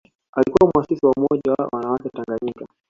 Alikuwa muasisi wa Umoja wa wanawake Tanganyika